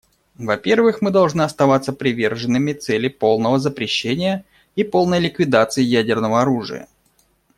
Во-первых, мы должны оставаться приверженными цели полного запрещения и полной ликвидации ядерного оружия.